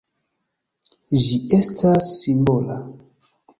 Ĝi estas simbola.